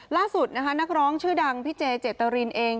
ล่าสุดนะคะนักร้องชื่อดังพี่เจเจตรินเอง